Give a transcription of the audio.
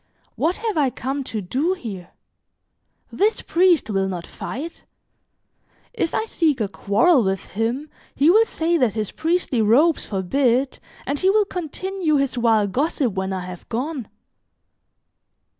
"What have I come to do here? This priest will not fight; if I seek a quarrel with him, he will say that his priestly robes forbid and he will continue his vile gossip when I have gone.